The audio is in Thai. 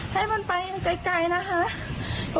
ให้มันไปไกลนะคะ